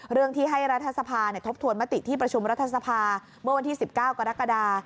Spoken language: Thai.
เรื่องที่ให้รัฐสภาทบทวนมติที่ประชุมรัฐสภาเมื่อวันที่๑๙กรกฎา